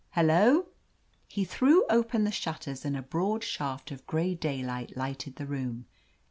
Hello !" He threw open the shutters, and a broad shaft of gray daylight lighted the room.